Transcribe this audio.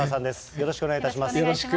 よろしくお願いします。